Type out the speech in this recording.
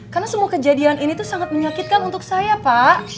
karena semua kejadian ini sangat menyakitkan untuk saya pak